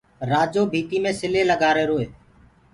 رآجو ڀيٚتيٚ مي سلينٚ لگآهيروئو